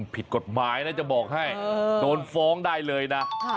ผิดกฎหมายนะจะบอกให้โดนฟ้องได้เลยนะ